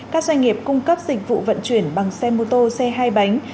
các doanh nghiệp cung cấp dịch vụ vận chuyển bằng xe mô tô xe hai bánh